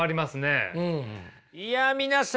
いや皆さん。